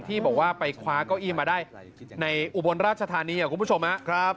ที่บอกว่าไปคว้าเก้าอี้มาได้ในอุบลราชธานีคุณผู้ชมครับ